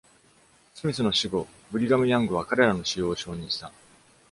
スミスの死後、ブリガム・ヤングは彼らの使用を承認した。